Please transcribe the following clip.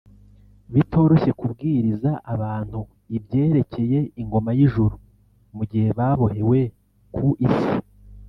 bitoroshye kubwiriza abantu ibyerekeye ingoma y’ijuru mugihe babohewe ku isi